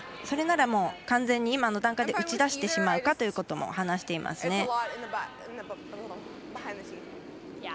それなら完全に今の段階で打ち出してしまおうかということも話していますね。